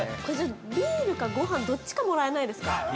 ビールか、ごはんどっちか、もらえないですか。